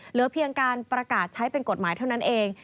เหลือเพียงการประกาศใช้เป็นกฎหมายเท่านั้นเอง